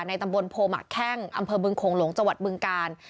ในตำบลโพหมาแค่งอำเภอเบื้องโขงหลงจังหวัดเบื้องกาล